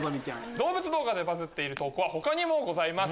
動物動画でバズっている投稿は他にもございます。